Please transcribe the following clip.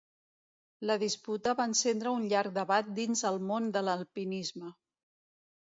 La disputa va encendre un llarg debat dins el món de l'alpinisme.